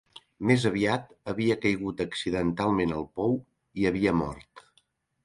Més aviat havia caigut accidentalment al pou i havia mort.